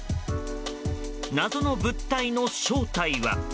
謎の物体の正体は？